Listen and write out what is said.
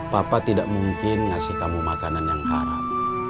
papa tidak mungkin ngasih kamu makanan yang haram